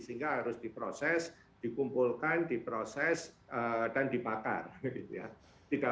sehingga harus diproses dikumpulkan diproses dan dibakar gitu ya